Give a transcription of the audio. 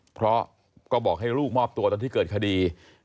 เพราะก็บอกให้ลูกมอบตัวตอนที่เกิดคดี